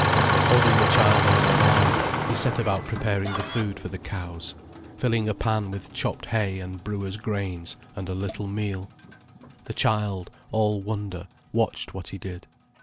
Holding the child on one arm, he set about preparing the food for the cows, filling a pan with chopped hay and brewer's grains and a little meal. The child, all wonder, watched what he did.